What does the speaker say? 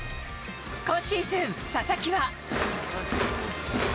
今シーズン、佐々木は。